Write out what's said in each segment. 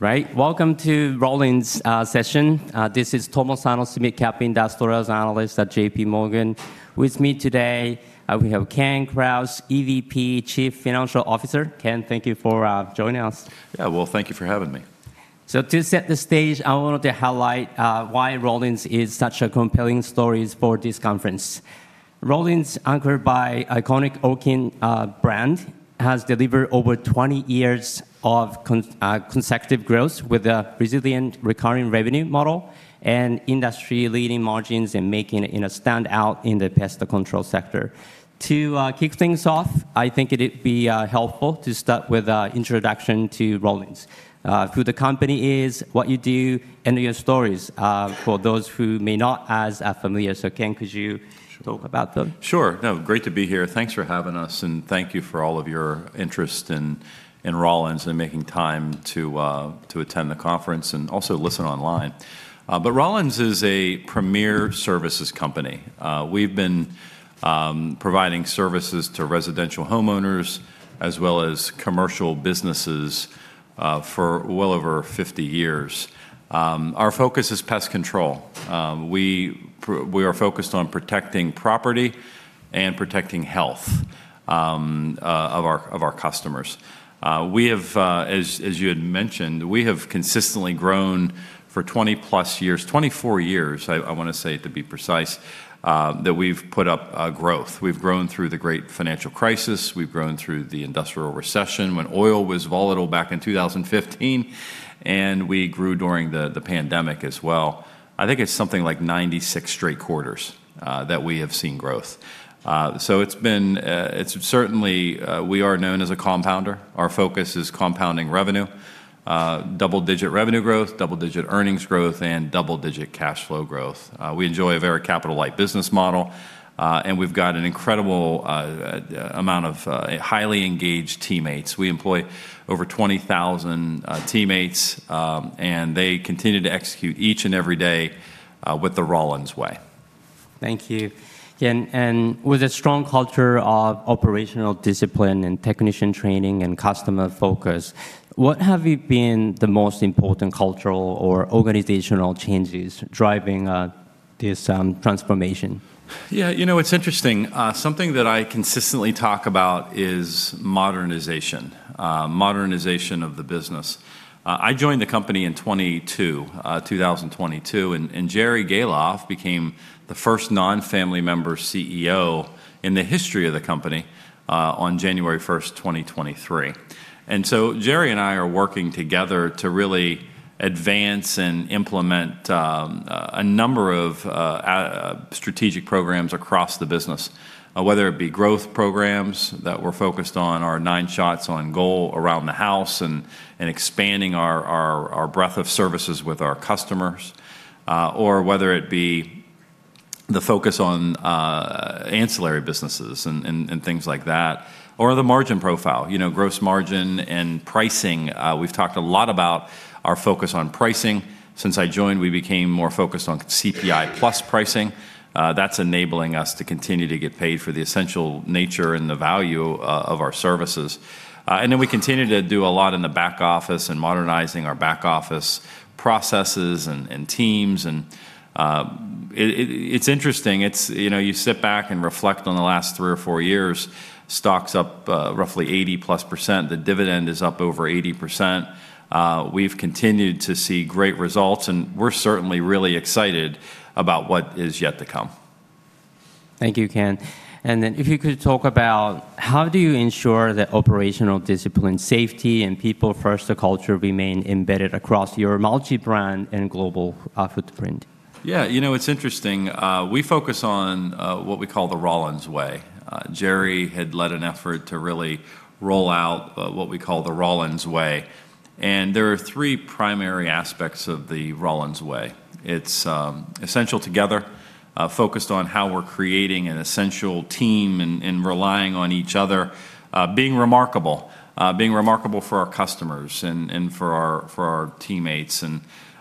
Right. Welcome to Rollins session. This is Tomo Sano, Mid Cap Industrials Analyst at JPMorgan. With me today, we have Ken Krause, EVP, Chief Financial Officer. Ken, thank you for joining us. Yeah. Well, thank you for having me. To set the stage, I wanted to highlight why Rollins is such a compelling story for this conference. Rollins, anchored by iconic Orkin brand, has delivered over 20 years of consecutive growth with a resilient recurring revenue model and industry-leading margins and making it, you know, stand out in the pest control sector. To kick things off, I think it'd be helpful to start with an introduction to Rollins, who the company is, what you do and your story for those who may not be as familiar. Ken, could you talk about them? Sure. No, great to be here. Thanks for having us, and thank you for all of your interest in Rollins and making time to attend the conference and also listen online. Rollins is a premier services company. We've been providing services to residential homeowners as well as commercial businesses for well over 50 years. Our focus is pest control. We are focused on protecting property and protecting health of our customers. As you had mentioned, we have consistently grown for 20+ years, 24 years, I wanna say to be precise, that we've put up growth. We've grown through the great financial crisis, we've grown through the industrial recession when oil was volatile back in 2015, and we grew during the pandemic as well. I think it's something like 96 straight quarters that we have seen growth. It's certainly we are known as a compounder. Our focus is compounding revenue, double-digit revenue growth, double-digit earnings growth, and double-digit cash flow growth. We enjoy a very capital light business model, and we've got an incredible amount of highly engaged teammates. We employ over 20,000 teammates, and they continue to execute each and every day with the Rollins Way. Thank you. Ken, with a strong culture of operational discipline and technician training and customer focus, what have you seen as the most important cultural or organizational changes driving this transformation? It's interesting. Something that I consistently talk about is modernization. Modernization of the business. I joined the company in 2022, and Jerry Gahlhoff became the first non-family member CEO in the history of the company on January 1st, 2023. Jerry and I are working together to really advance and implement a number of strategic programs across the business, whether it be growth programs that we're focused on our nine shots on goal around the house and expanding our breadth of services with our customers, or whether it be the focus on ancillary businesses and things like that, or the margin profile. You know, gross margin and pricing, we've talked a lot about our focus on pricing. Since I joined, we became more focused on CPI-plus pricing. That's enabling us to continue to get paid for the essential nature and the value of our services. We continue to do a lot in the back office and modernizing our back office processes and teams. It's interesting. You know, you sit back and reflect on the last three or four years, stock's up roughly 80%+. The dividend is up over 80%. We've continued to see great results, and we're certainly really excited about what is yet to come. Thank you, Ken. If you could talk about how do you ensure that operational discipline, safety, and people first culture remain embedded across your multi-brand and global footprint? It's interesting. We focus on what we call the Rollins Way. Jerry had led an effort to really roll out what we call the Rollins Way, and there are three primary aspects of the Rollins Way. It's essential together, focused on how we're creating an essential team and relying on each other, being remarkable for our customers and for our teammates and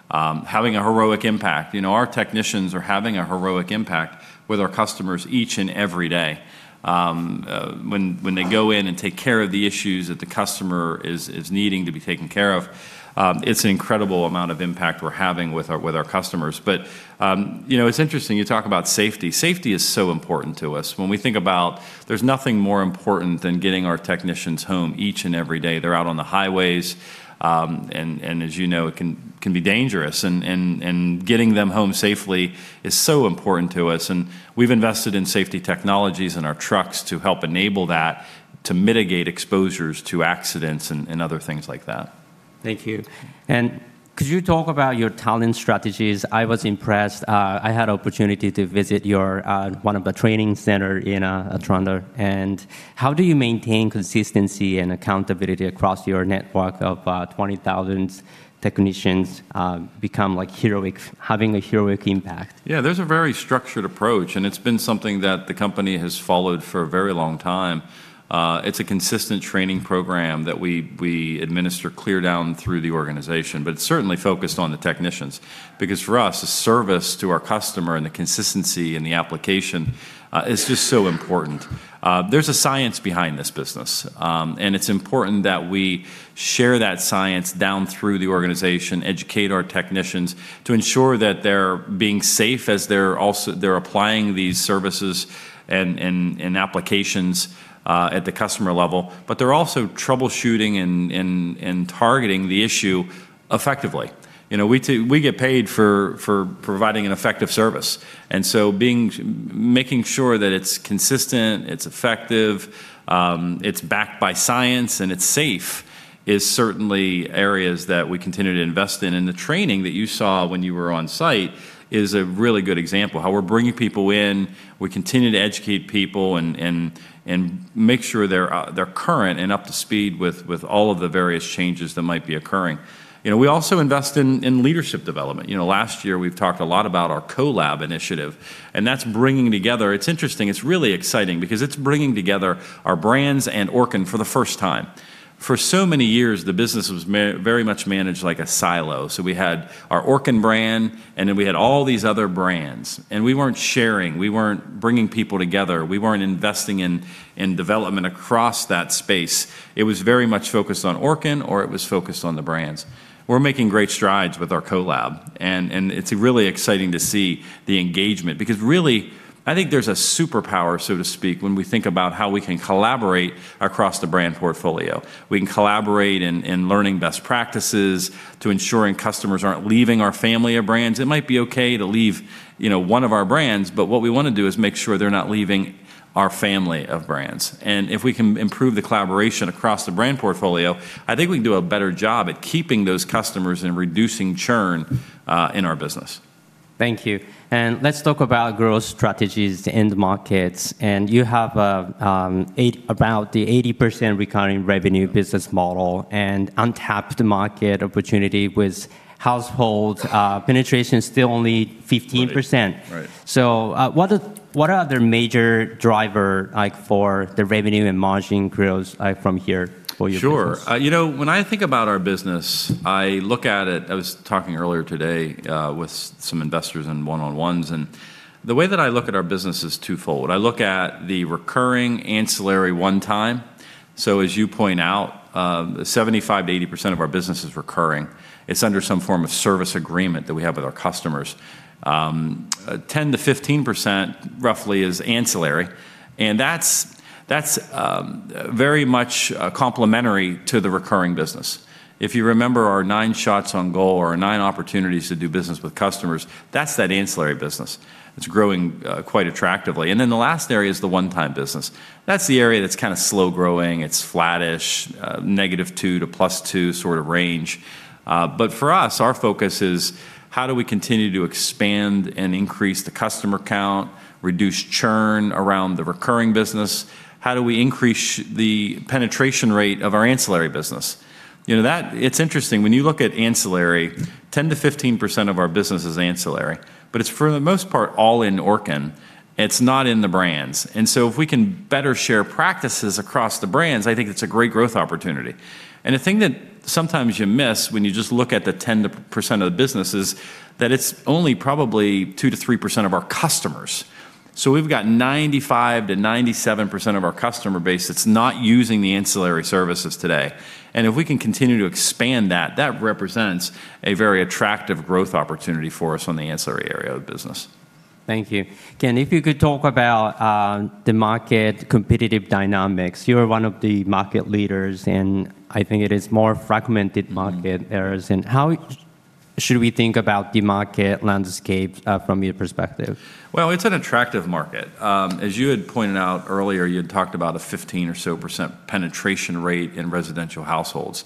having a heroic impact. You know, our technicians are having a heroic impact with our customers each and every day. When they go in and take care of the issues that the customer is needing to be taken care of, it's an incredible amount of impact we're having with our customers. You know, it's interesting you talk about safety. Safety is so important to us. When we think about there's nothing more important than getting our technicians home each and every day. They're out on the highways, and as you know, it can be dangerous and getting them home safely is so important to us, and we've invested in safety technologies in our trucks to help enable that to mitigate exposures to accidents and other things like that. Thank you. Could you talk about your talent strategies? I was impressed. I had opportunity to visit your one of the training center in Toronto. How do you maintain consistency and accountability across your network of 20,000 technicians, become like heroic, having a heroic impact? There's a very structured approach, and it's been something that the company has followed for a very long time. It's a consistent training program that we administer clear down through the organization, but it's certainly focused on the technicians because for us, the service to our customer and the consistency and the application is just so important. There's a science behind this business, and it's important that we share that science down through the organization, educate our technicians to ensure that they're being safe as they're applying these services and applications at the customer level, but they're also troubleshooting and targeting the issue effectively. You know, we get paid for providing an effective service. Making sure that it's consistent, it's effective, it's backed by science, and it's safe is certainly areas that we continue to invest in. The training that you saw when you were on site is a really good example, how we're bringing people in, we continue to educate people and make sure they're they're current and up to speed with all of the various changes that might be occurring. You know, we also invest in leadership development. You know, last year we've talked a lot about our Co-lab initiative, and that's bringing together. It's interesting, it's really exciting because it's bringing together our brands and Orkin for the first time. For so many years, the business was very much managed like a silo. We had our Orkin brand, and then we had all these other brands. We weren't sharing, we weren't bringing people together, we weren't investing in development across that space. It was very much focused on Orkin or it was focused on the brands. We're making great strides with our Co-lab and it's really exciting to see the engagement because really I think there's a superpower, so to speak, when we think about how we can collaborate across the brand portfolio. We can collaborate in learning best practices to ensuring customers aren't leaving our family of brands. It might be okay to leave, you know, one of our brands, but what we wanna do is make sure they're not leaving our family of brands. If we can improve the collaboration across the brand portfolio, I think we can do a better job at keeping those customers and reducing churn in our business. Thank you. Let's talk about growth strategies to end markets. You have about the 80% recurring revenue business model and untapped market opportunity with household penetration still only 15%. Right. What are other major driver, like, for the revenue and margin growth from here for your business? Sure. You know, when I think about our business, I look at it. I was talking earlier today with some investors in one-on-ones, and the way that I look at our business is twofold. I look at the Recurring, Ancillary, One-Time. As you point out, 75%-80% of our business is recurring. It's under some form of service agreement that we have with our customers. 10%-15% roughly is ancillary, and that's very much complementary to the Recurring business. If you remember our nine shots on goal or our nine opportunities to do business with customers, that's that Ancillary business. It's growing quite attractively. The last area is the One-Time business. That's the area that's kinda slow growing. It's flattish, -2% to +2% sort of range. For us, our focus is how do we continue to expand and increase the customer count, reduce churn around the Recurring business? How do we increase the penetration rate of our Ancillary business? You know, it's interesting, when you look at Ancillary, 10%-15% of our business is ancillary, but it's for the most part all in Orkin, it's not in the brands. If we can better share practices across the brands, I think it's a great growth opportunity. The thing that sometimes you miss when you just look at the 10% of the business is that it's only probably 2%-3% of our customers. We've got 95%-97% of our customer base that's not using the ancillary services today. If we can continue to expand that represents a very attractive growth opportunity for us on the ancillary area of the business. Thank you. Again, if you could talk about the market competitive dynamics. You're one of the market leaders in I think it is more fragmented market areas. How should we think about the market landscape from your perspective? Well, it's an attractive market. As you had pointed out earlier, you had talked about a 15% or so penetration rate in residential households.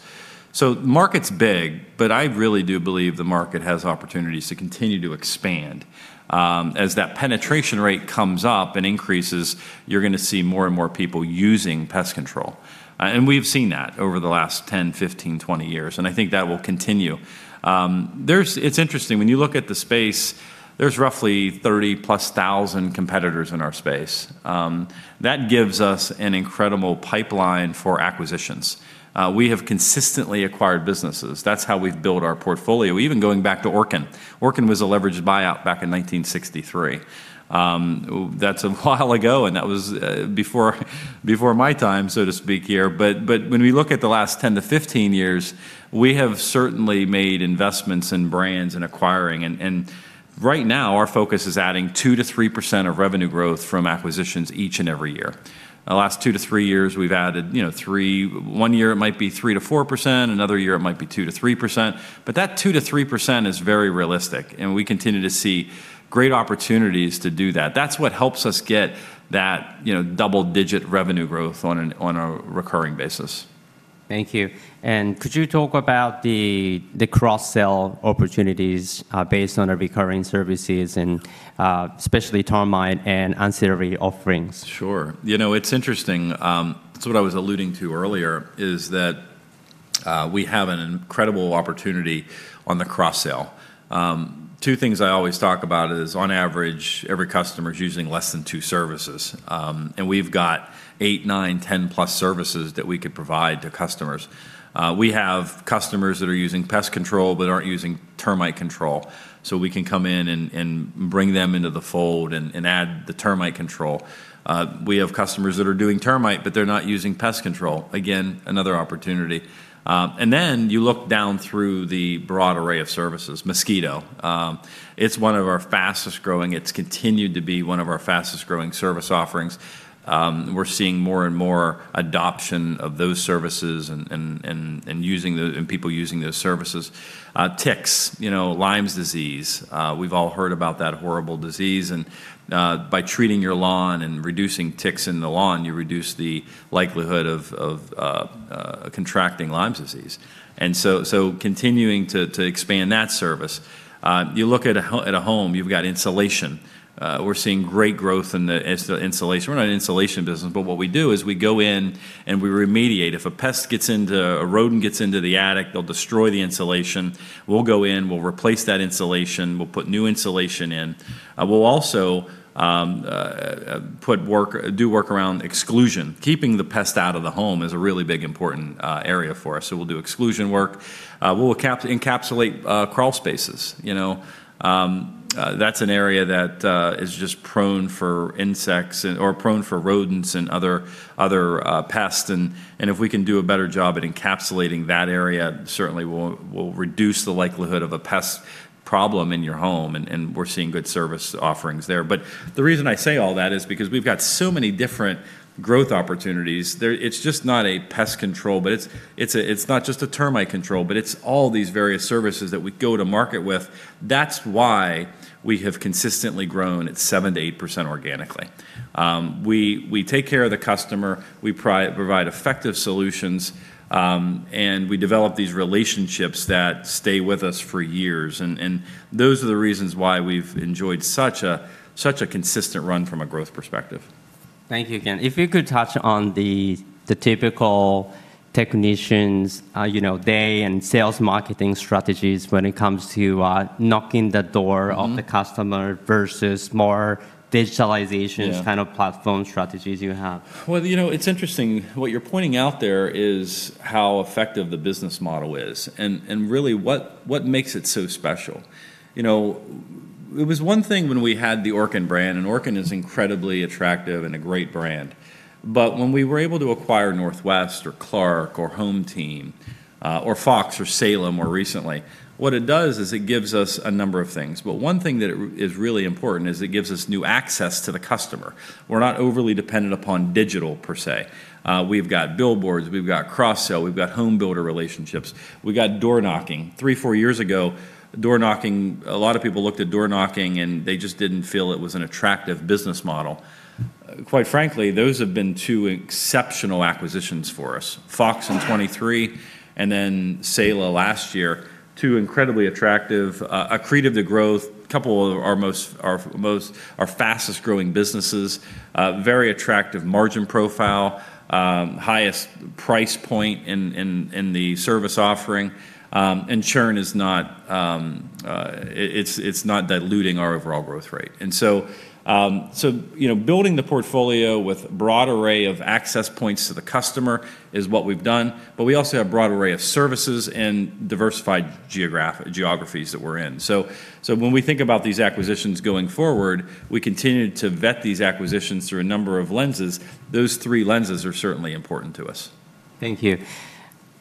Market's big, but I really do believe the market has opportunities to continue to expand. As that penetration rate comes up and increases, you're gonna see more and more people using pest control. We've seen that over the last 10, 15, 20 years, and I think that will continue. It's interesting, when you look at the space, there's roughly 30,000+ competitors in our space. That gives us an incredible pipeline for acquisitions. We have consistently acquired businesses. That's how we've built our portfolio. Even going back to Orkin was a leveraged buyout back in 1963. That's a while ago, and that was before my time, so to speak here. When we look at the last 10-15 years, we have certainly made investments in brands and acquiring. Right now our focus is adding 2%-3% of revenue growth from acquisitions each and every year. The last two to three years we've added, you know, one year it might be 3%-4%, another year it might be 2%-3%, but that 2%-3% is very realistic, and we continue to see great opportunities to do that. That's what helps us get that, you know, double-digit revenue growth on a recurring basis. Thank you. Could you talk about the cross-sell opportunities based on our recurring services and especially termite and ancillary offerings? Sure. You know, it's interesting, it's what I was alluding to earlier, is that we have an incredible opportunity on the cross-sell. Two things I always talk about is, on average, every customer is using less than two services. We've got eight, nine, 10+ services that we could provide to customers. We have customers that are using pest control but aren't using termite control, so we can come in and bring them into the fold and add the termite control. We have customers that are doing termite, but they're not using pest control. Again, another opportunity. Then you look down through the broad array of services. Mosquito, it's one of our fastest-growing. It's continued to be one of our fastest-growing service offerings. We're seeing more and more adoption of those services and people using those services. Ticks, you know, Lyme disease, we've all heard about that horrible disease and by treating your lawn and reducing ticks in the lawn, you reduce the likelihood of contracting Lyme disease, and continuing to expand that service. You look at a home, you've got insulation. We're seeing great growth in the insulation. We're not an insulation business, but what we do is we go in and we remediate. If a rodent gets into the attic, they'll destroy the insulation. We'll go in, we'll replace that insulation, we'll put new insulation in. We'll also do work around exclusion. Keeping the pest out of the home is a really big, important area for us, so we'll do exclusion work. We'll encapsulate crawl spaces. You know, that's an area that is just prone for insects or prone for rodents and other pests and if we can do a better job at encapsulating that area, certainly we'll reduce the likelihood of a pest problem in your home, and we're seeing good service offerings there. But the reason I say all that is because we've got so many different growth opportunities. It's just not a pest control, but it's not just a termite control, but it's all these various services that we go to market with. That's why we have consistently grown at 7%-8% organically. We take care of the customer, we provide effective solutions, and we develop these relationships that stay with us for years, and those are the reasons why we've enjoyed such a consistent run from a growth perspective. Thank you, Ken. If you could touch on the typical technician's, you know, day and sales marketing strategies when it comes to knocking the door-on the customer versus more digitalization kind of platform strategies you have. Well, you know, it's interesting. What you're pointing out there is how effective the business model is and really what makes it so special. You know, it was one thing when we had the Orkin brand, and Orkin is incredibly attractive and a great brand. When we were able to acquire Northwest or Clark or HomeTeam, or Fox or Saela more recently, what it does is it gives us a number of things. One thing that it is really important is it gives us new access to the customer. We're not overly dependent upon digital per se. We've got billboards, we've got cross-sell, we've got home builder relationships, we've got door knocking. Three, four years ago, door knocking, a lot of people looked at door knocking, and they just didn't feel it was an attractive business model. Quite frankly, those have been two exceptional acquisitions for us. Fox in 2023 and then Saela last year, two incredibly attractive, accretive to our growth, couple of our fastest-growing businesses, very attractive margin profile, highest price point in the service offering. Churn is not diluting our overall growth rate. You know, building the portfolio with broad array of access points to the customer is what we've done, but we also have broad array of services and diversified geographies that we're in. When we think about these acquisitions going forward, we continue to vet these acquisitions through a number of lenses. Those three lenses are certainly important to us. Thank you.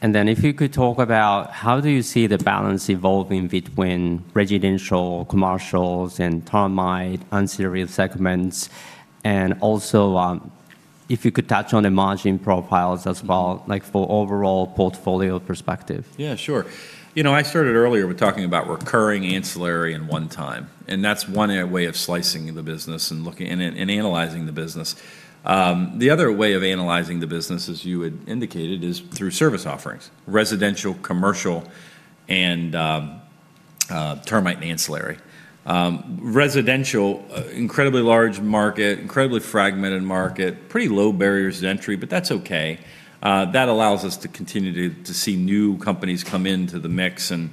Then if you could talk about how do you see the balance evolving between residential, commercial, and termite and ancillary segments? Also, if you could touch on the margin profiles as well, like for overall portfolio perspective. Sure. You know, I started earlier with talking about Recurring, Ancillary, and One-Time, and that's one way of slicing the business and looking and analyzing the business. The other way of analyzing the business, as you had indicated, is through service offerings, residential, commercial, and termite and ancillary. Residential, incredibly large market, incredibly fragmented market, pretty low barriers to entry, but that's okay. That allows us to continue to see new companies come into the mix and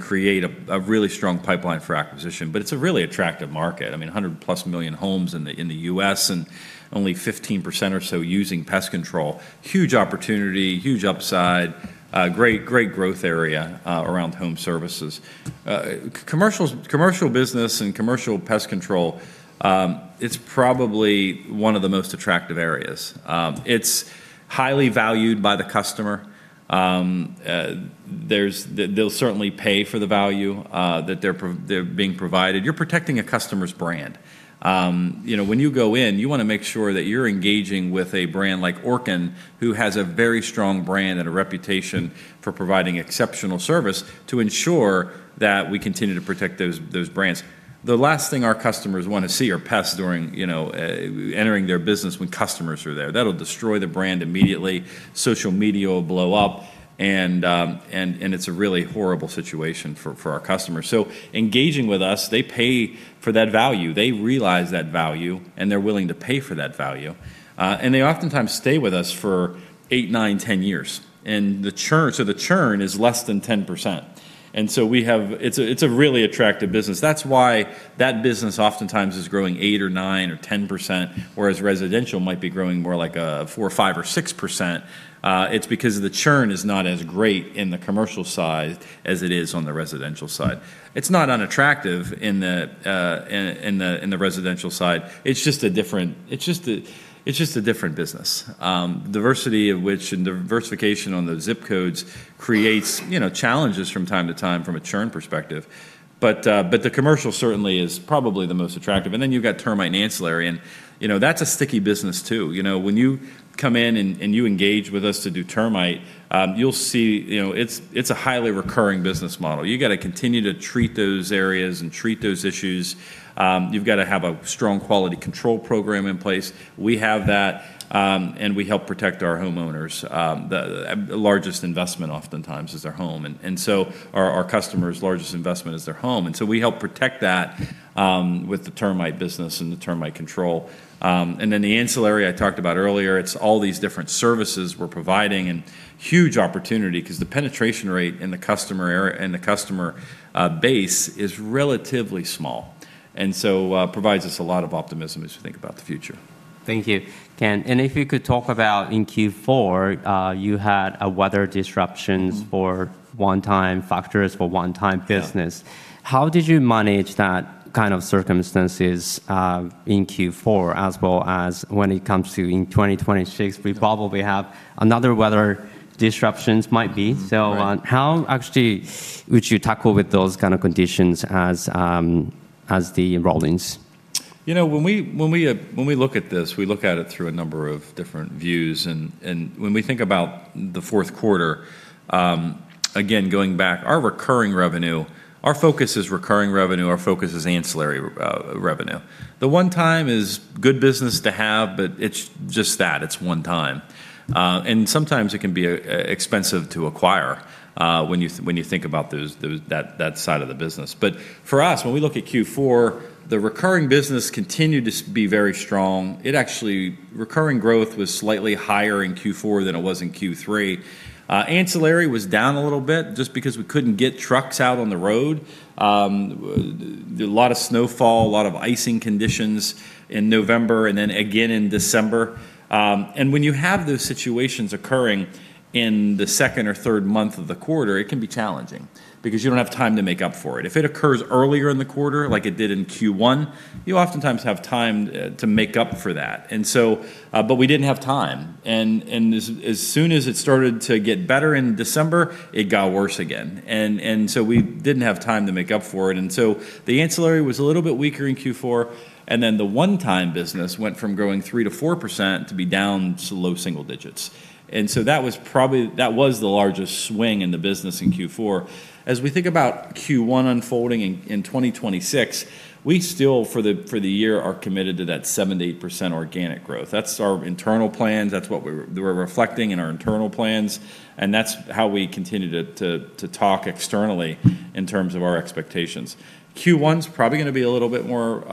create a really strong pipeline for acquisition, but it's a really attractive market. I mean, 100+ million homes in the U.S. and only 15% or so using pest control. Huge opportunity, huge upside, great growth area around home services. Commercial business and commercial pest control, it's probably one of the most attractive areas. It's highly valued by the customer. They'll certainly pay for the value that they're being provided. You're protecting a customer's brand. You know, when you go in, you wanna make sure that you're engaging with a brand like Orkin, who has a very strong brand and a reputation for providing exceptional service, to ensure that we continue to protect those brands. The last thing our customers want to see are pests during, you know, entering their business when customers are there. That'll destroy the brand immediately. Social media will blow up and it's a really horrible situation for our customers. Engaging with us, they pay for that value. They realize that value, and they're willing to pay for that value. They oftentimes stay with us for eight, nine, 10 years. The churn is less than 10%. It's a really attractive business. That's why that business oftentimes is growing 8% or 9% or 10%, whereas residential might be growing more like 4% or 5% or 6%. It's because the churn is not as great in the commercial side as it is on the residential side. It's not unattractive in the residential side. It's just a different business. Diversification on those zip codes creates, you know, challenges from time to time from a churn perspective. The commercial certainly is probably the most attractive. Then you've got Termite and Ancillary, and, you know, that's a sticky business too. You know, when you come in and you engage with us to do termite, you'll see, you know, it's a highly recurring business model. You gotta continue to treat those areas and treat those issues. You've gotta have a strong quality control program in place. We have that, and we help protect our homeowners. The largest investment oftentimes is their home. Our customers' largest investment is their home. We help protect that with the Termite business and the termite control. The ancillary I talked about earlier, it's all these different services we're providing, and huge opportunity because the penetration rate in the customer base is relatively small. Provides us a lot of optimism as you think about the future. Thank you. If you could talk about in Q4 you had weather disruptions. For one-time factors for One-Time business. How did you manage that kind of circumstances in Q4 as well as when it comes to in 2026 we probably have another weather disruptions might be. Right. How actually would you tackle with those kind of conditions as the Rollins? When we look at this, we look at it through a number of different views. When we think about the fourth quarter, again, going back, our Recurring revenue. Our focus is Recurring revenue, our focus is Ancillary revenue. The One Time is good business to have, but it's just that, it's One Time. Sometimes it can be expensive to acquire when you think about those, that side of the business. But for us, when we look at Q4, the Recurring business continued to be very strong. It actually, recurring growth was slightly higher in Q4 than it was in Q3. Ancillary was down a little bit just because we couldn't get trucks out on the road. There was a lot of snowfall, a lot of icing conditions in November and then again in December. When you have those situations occurring in the second or third month of the quarter, it can be challenging because you don't have time to make up for it. If it occurs earlier in the quarter, like it did in Q1, you oftentimes have time to make up for that. But we didn't have time. As soon as it started to get better in December, it got worse again. We didn't have time to make up for it. The Ancillary was a little bit weaker in Q4, and then the One-Time business went from growing 3%-4% to be down to low single digits%. That was the largest swing in the business in Q4. As we think about Q1 unfolding in 2026, we still, for the year, are committed to that 7%-8% organic growth. That's our internal plans. That's what we're reflecting in our internal plans, and that's how we continue to talk externally in terms of our expectations. Q1's probably gonna be a little bit more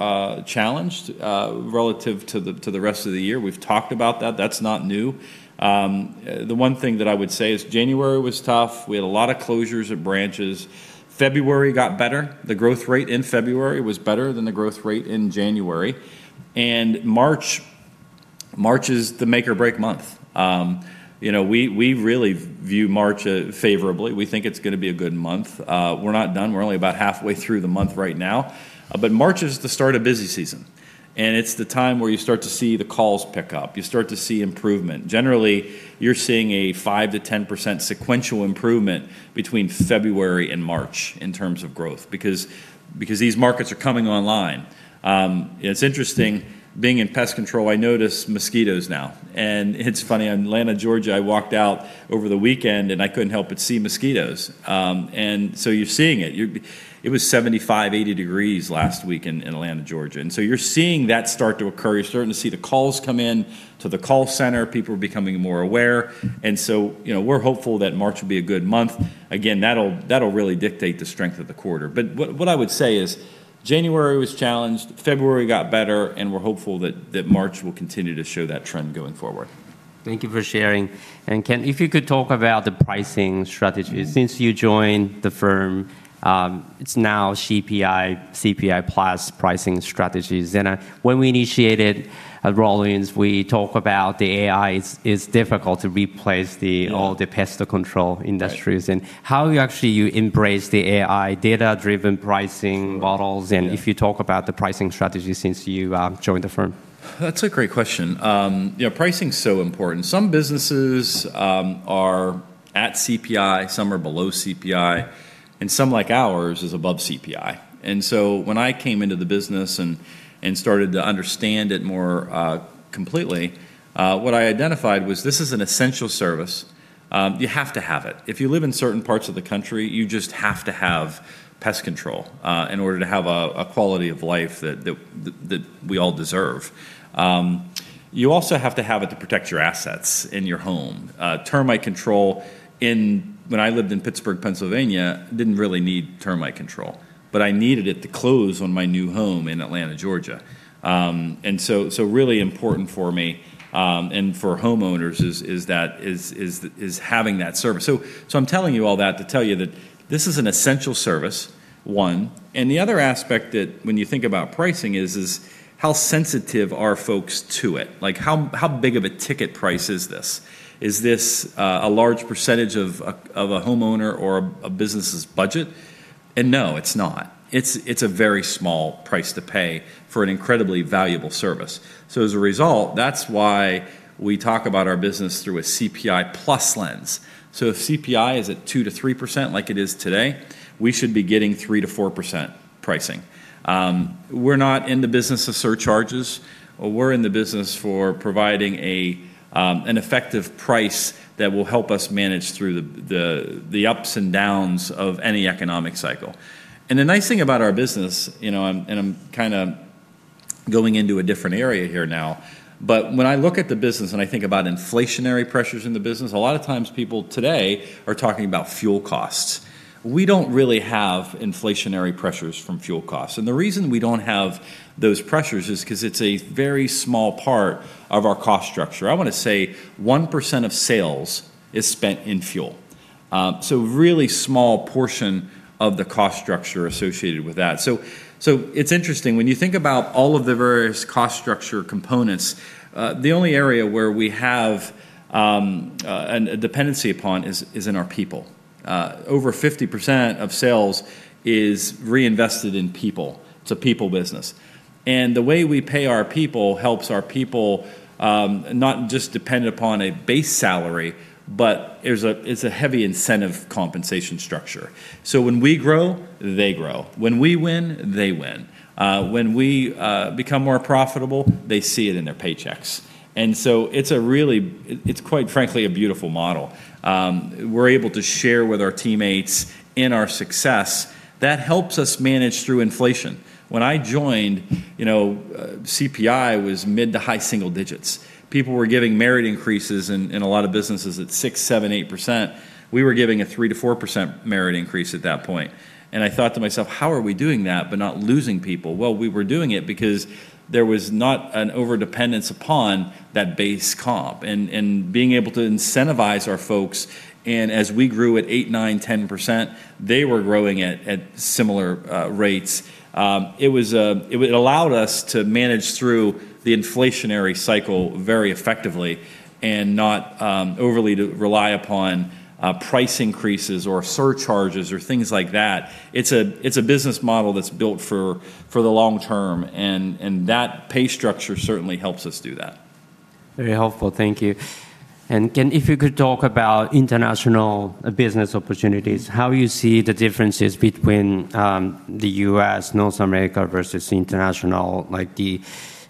challenged relative to the rest of the year. We've talked about that. That's not new. The one thing that I would say is January was tough. We had a lot of closures at branches. February got better. The growth rate in February was better than the growth rate in January. March is the make or break month. You know, we really view March favorably. We think it's gonna be a good month. We're not done. We're only about halfway through the month right now. March is the start of busy season, and it's the time where you start to see the calls pick up. You start to see improvement. Generally, you're seeing a 5%-10% sequential improvement between February and March in terms of growth because these markets are coming online. It's interesting being in pest control. I notice mosquitoes now, and it's funny. In Atlanta, Georgia, I walked out over the weekend, and I couldn't help but see mosquitoes. You're seeing it. It was 75, 80 degrees Fahrenheit last week in Atlanta, Georgia. You're seeing that start to occur. You're starting to see the calls come in to the call center. People are becoming more aware. You know, we're hopeful that March will be a good month. Again, that'll really dictate the strength of the quarter. What I would say is January was challenged, February got better, and we're hopeful that March will continue to show that trend going forward. Thank you for sharing. Ken, if you could talk about the pricing strategy since you joined the firm. It's now CPI-plus pricing strategies. When we initiated at Rollins, we talk about the AI is difficult to replace the all the pest control industries. Right. How you actually embrace the AI data-driven pricing models. If you talk about the pricing strategy since you joined the firm. That's a great question. You know, pricing's so important. Some businesses are at CPI, some are below CPI, and some, like ours, is above CPI. When I came into the business and started to understand it more completely, what I identified was this is an essential service. You have to have it. If you live in certain parts of the country, you just have to have pest control in order to have a quality of life that we all deserve. You also have to have it to protect your assets in your home. Termite control. When I lived in Pittsburgh, Pennsylvania, didn't really need termite control, but I needed it to close on my new home in Atlanta, Georgia. Really important for me and for homeowners is having that service. I'm telling you all that to tell you that this is an essential service, one. The other aspect that when you think about pricing is how sensitive are folks to it? Like, how big of a ticket price is this? Is this a large percentage of a homeowner or a business's budget? No, it's not. It's a very small price to pay for an incredibly valuable service. As a result, that's why we talk about our business through a CPI plus lens. If CPI is at 2%-3% like it is today, we should be getting 3%-4% pricing. We're not in the business of surcharges. We're in the business for providing an effective price that will help us manage through the ups and downs of any economic cycle. The nice thing about our business, you know, I'm kinda going into a different area here now, but when I look at the business and I think about inflationary pressures in the business, a lot of times people today are talking about fuel costs. We don't really have inflationary pressures from fuel costs. The reason we don't have those pressures is 'cause it's a very small part of our cost structure. I wanna say 1% of sales is spent in fuel, so really small portion of the cost structure associated with that. It's interesting. When you think about all of the various cost structure components, the only area where we have a dependency upon is in our people. Over 50% of sales is reinvested in people. It's a people business. The way we pay our people helps our people not just dependent upon a base salary, but it's a heavy incentive compensation structure. When we grow, they grow. When we win, they win. When we become more profitable, they see it in their paychecks. It's quite frankly a beautiful model. We're able to share with our teammates in our success. That helps us manage through inflation. When I joined, you know, CPI was mid- to high single digits. People were giving merit increases in a lot of businesses at 6%, 7%, 8%. We were giving a 3%-4% merit increase at that point. I thought to myself, "How are we doing that but not losing people?" Well, we were doing it because there was not an overdependence upon that base comp, being able to incentivize our folks, and as we grew at 8%, 9%, 10%, they were growing at similar rates. It allowed us to manage through the inflationary cycle very effectively and not overly to rely upon price increases or surcharges or things like that. It's a business model that's built for the long term, and that pay structure certainly helps us do that. Very helpful. Thank you. If you could talk about international business opportunities, how you see the differences between the U.S., North America versus International, like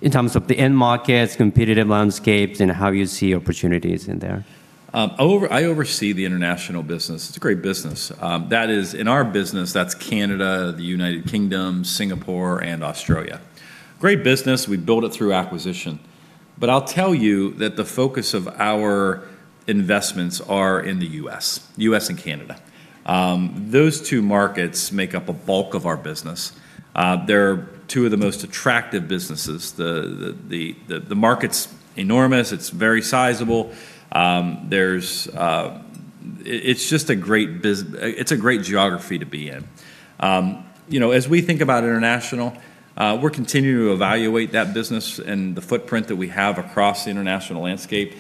in terms of the end markets, competitive landscapes, and how you see opportunities in there. I oversee the International business. It's a great business. That is, in our business, that's Canada, the United Kingdom, Singapore, and Australia. Great business. We built it through acquisition. I'll tell you that the focus of our investments are in the U.S. and Canada. Those two markets make up a bulk of our business. They're two of the most attractive businesses. The market's enormous. It's very sizable. It's just a great geography to be in. You know, as we think about International, we're continuing to evaluate that business and the footprint that we have across the international landscape.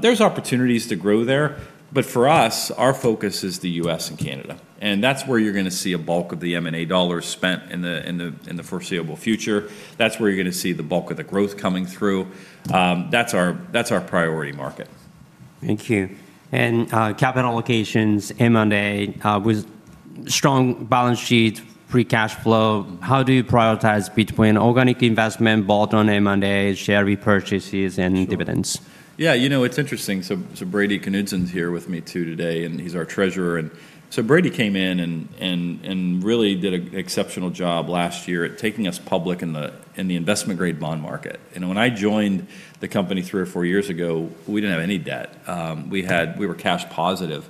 There's opportunities to grow there, but for us, our focus is the U.S. and Canada, and that's where you're gonna see a bulk of the M&A dollars spent in the foreseeable future. That's where you're gonna see the bulk of the growth coming through. That's our priority market. Thank you. Capital allocations, M&A, with strong balance sheet, free cash flow, how do you prioritize between organic investment, bolt-on M&A, share repurchases, and dividends? It's interesting. Brady Knudsen's here with me too today, and he's our Treasurer. Brady came in and really did an exceptional job last year at taking us public in the investment grade bond market. You know, when I joined the company three or four years ago, we didn't have any debt. We were cash positive.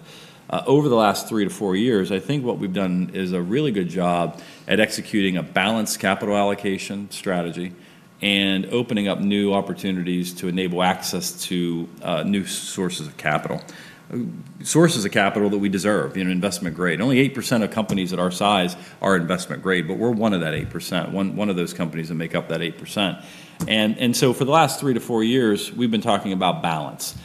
Over the last three to four years, I think what we've done is a really good job at executing a balanced capital allocation strategy and opening up new opportunities to enable access to new sources of capital that we deserve, you know, investment grade. Only 8% of companies at our size are investment grade, but we're one of that 8%, one of those companies that make up that 8%. For the last three to four years, we've been talking about balance.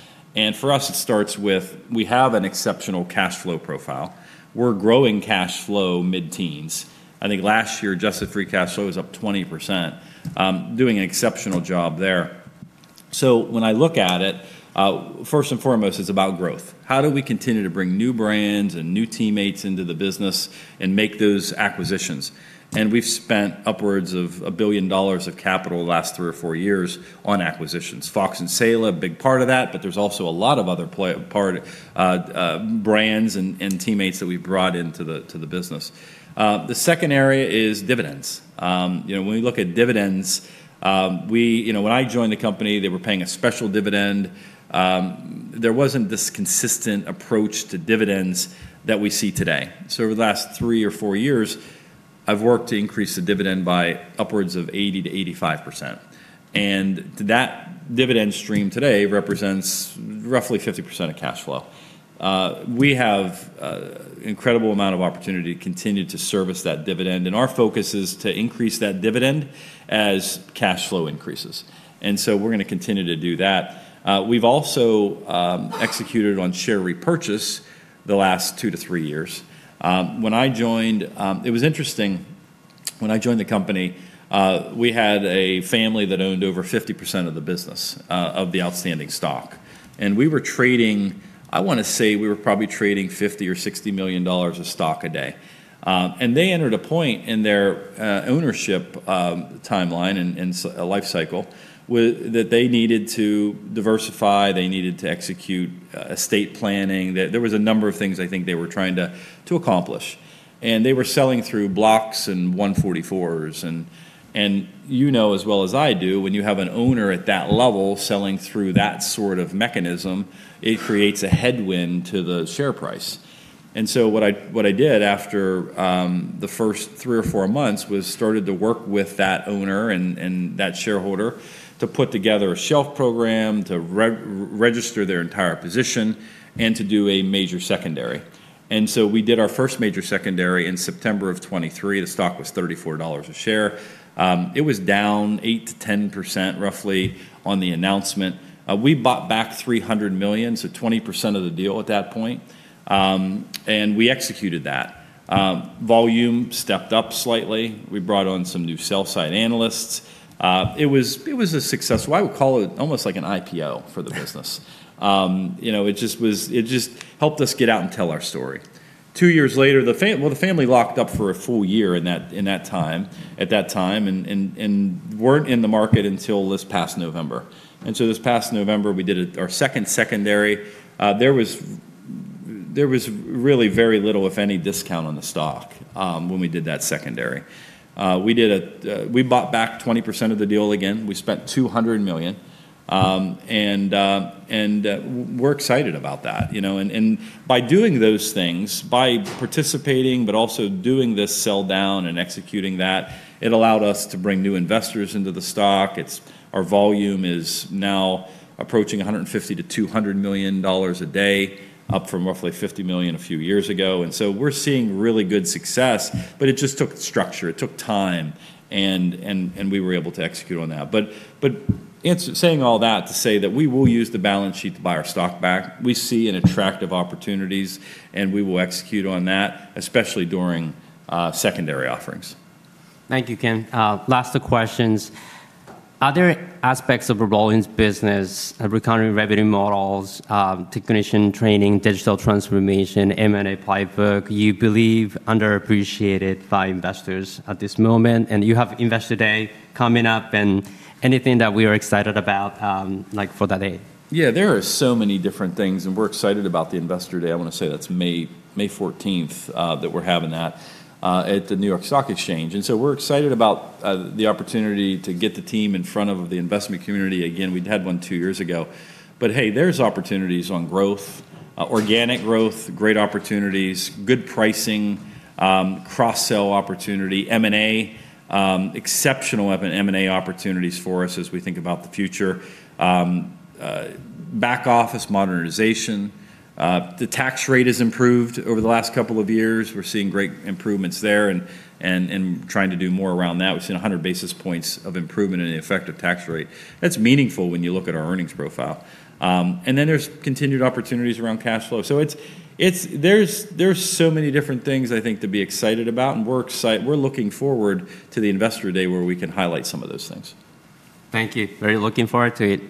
For us, it starts with we have an exceptional cash flow profile. We're growing cash flow mid-teens. I think last year, adjusted free cash flow was up 20%. Doing an exceptional job there. When I look at it, first and foremost, it's about growth. How do we continue to bring new brands and new teammates into the business and make those acquisitions? We've spent upwards of $1 billion of capital the last three to four years on acquisitions. Fox and Saela, a big part of that, but there's also a lot of other brands and teammates that we've brought into the business. The second area is dividends. You know, when we look at dividends, we... You know, when I joined the company, they were paying a special dividend. There wasn't this consistent approach to dividends that we see today. Over the last three or four years, I've worked to increase the dividend by upwards of 80%-85%. That dividend stream today represents roughly 50% of cash flow. We have incredible amount of opportunity to continue to service that dividend, and our focus is to increase that dividend as cash flow increases. We're gonna continue to do that. We've also executed on share repurchase the last two to three years. It was interesting, when I joined the company, we had a family that owned over 50% of the business, of the outstanding stock. We were trading... I wanna say we were probably trading $50 million or $60 million of stock a day. They entered a point in their ownership timeline and a life cycle that they needed to diversify, they needed to execute estate planning. There was a number of things I think they were trying to accomplish. They were selling through blocks and Rule 144s. You know as well as I do, when you have an owner at that level selling through that sort of mechanism, it creates a headwind to the share price. What I did after the first three or four months was started to work with that owner and that shareholder to put together a shelf program, to re-register their entire position, and to do a major secondary. We did our first major secondary in September of 2023. The stock was $34 a share. It was down 8%-10% roughly on the announcement. We bought back $300 million, so 20% of the deal at that point. We executed that. Volume stepped up slightly. We brought on some new sell-side analysts. It was a success. Well, I would call it almost like an IPO for the business. You know, it just helped us get out and tell our story. Two years later, the family locked up for a full year in that time, at that time, and weren't in the market until this past November. This past November, we did our second secondary. There was really very little, if any, discount on the stock when we did that secondary. We bought back 20% of the deal again. We spent $200 million. We're excited about that, you know. By doing those things, by participating, but also doing this sell down and executing that, it allowed us to bring new investors into the stock. It. Our volume is now approaching $150 million-$200 million a day, up from roughly $50 million a few years ago. We're seeing really good success, but it just took structure, it took time, and we were able to execute on that. It's saying all that to say that we will use the balance sheet to buy our stock back. We see an attractive opportunities, and we will execute on that, especially during secondary offerings. Thank you, Ken. Last few questions. Are there aspects of Rollins's business, recurring revenue models, technician training, digital transformation, M&A playbook, you believe underappreciated by investors at this moment? You have Investor Day coming up, and anything that we are excited about, like for that day? Yeah, there are so many different things, and we're excited about the Investor Day. I wanna say that's May 14th that we're having that at the New York Stock Exchange. We're excited about the opportunity to get the team in front of the investment community again. We'd had one two years ago. Hey, there's opportunities on growth, organic growth, great opportunities, good pricing, cross-sell opportunity. M&A, exceptional M&A opportunities for us as we think about the future. Back office modernization. The tax rate has improved over the last couple of years. We're seeing great improvements there and trying to do more around that. We've seen 100 basis points of improvement in the effective tax rate. That's meaningful when you look at our earnings profile. Then there's continued opportunities around cash flow. There's so many different things I think to be excited about, and we're looking forward to the Investor Day where we can highlight some of those things. Thank you. Very looking forward to it.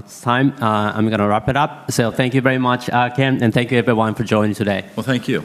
It's time. I'm gonna wrap it up. Thank you very much, Ken, and thank you everyone for joining today. Well, thank you.